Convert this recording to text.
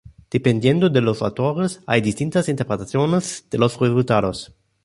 Dependiendo de los autores, hay distintas interpretaciones de los resultados.